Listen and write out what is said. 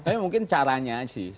tapi mungkin caranya sih